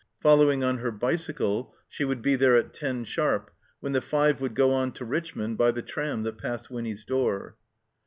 Following on her bicycle, she would be there at ten sharp, when the five would go on to Richmond by the tram that passed Winny's door.